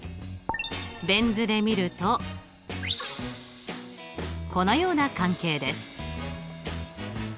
ベン図で見るとこのような関係です。